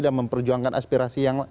dan memperjuangkan aspirasi